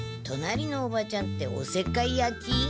隣のおばちゃんっておせっかいやき？